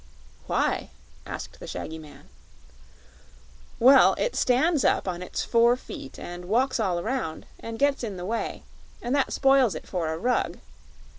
"Why?" asked the shaggy man. "Well, it stands up on its four feet and walks all around, and gets in the way; and that spoils it for a rug.